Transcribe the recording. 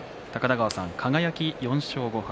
輝、４勝５敗。